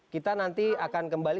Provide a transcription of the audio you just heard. kita nanti akan kembali